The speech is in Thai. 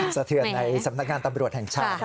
สะเทือนในสำนักงานตำรวจแห่งชาติ